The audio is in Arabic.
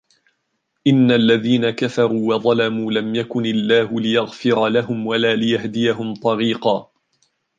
إِنَّ الَّذِينَ كَفَرُوا وَظَلَمُوا لَمْ يَكُنِ اللَّهُ لِيَغْفِرَ لَهُمْ وَلَا لِيَهْدِيَهُمْ طَرِيقًا